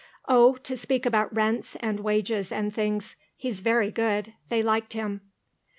"Oh, to speak about rents and wages and things. He's very good. They liked him."